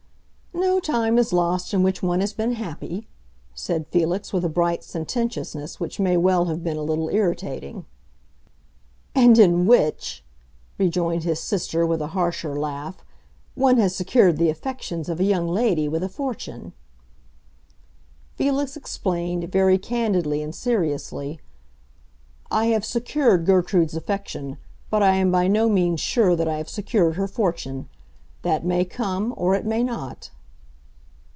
"No time is lost in which one has been happy!" said Felix, with a bright sententiousness which may well have been a little irritating. "And in which," rejoined his sister, with a harsher laugh, "one has secured the affections of a young lady with a fortune!" Felix explained, very candidly and seriously. "I have secured Gertrude's affection, but I am by no means sure that I have secured her fortune. That may come—or it may not."